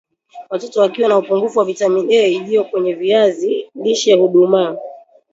Watoto wakiwa na upungufu wa vitamini A iliyo kwenye viazi lishe hudumaa